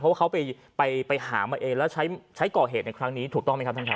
เพราะว่าเขาไปหามาเองแล้วใช้ก่อเหตุในครั้งนี้ถูกต้องไหมครับท่านครับ